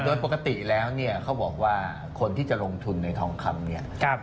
โดยปกติแล้วเนี่ยเขาบอกว่าคนที่จะลงทุนในทองคำเนี่ย